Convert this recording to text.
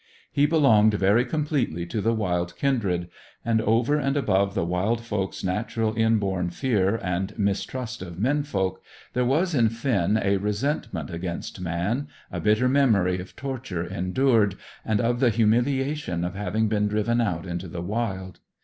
He belonged very completely to the wild kindred, and, over and above the wild folk's natural inborn fear and mistrust of men folk, there was in Finn a resentment against man; a bitter memory of torture endured, and of the humiliation of having been driven out into the wild.